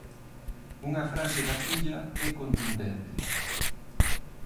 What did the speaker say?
Unha frase da filla é contundente: